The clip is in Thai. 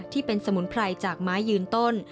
ที่เป็นสมุนไพรจากไม้ยืนต้น